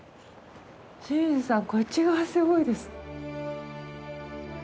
冷水さん、こっち側すごいです